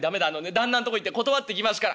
旦那んとこ行って断ってきますから」。